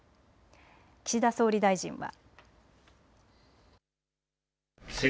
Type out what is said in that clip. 岸田総理大臣は。